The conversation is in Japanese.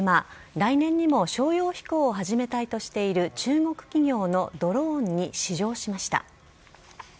来年にも商用飛行を始めたいとしている中国企業のドローンに試乗しました。